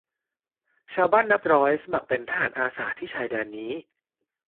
ชาวบ้านนับร้อยสมัครเป็นทหารอาสาที่ชายแดนนี้